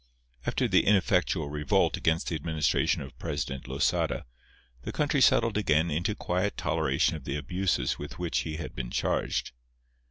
After the ineffectual revolt against the administration of President Losada, the country settled again into quiet toleration of the abuses with which he had been charged.